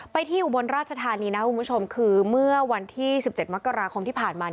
ที่อุบลราชธานีนะคุณผู้ชมคือเมื่อวันที่๑๗มกราคมที่ผ่านมา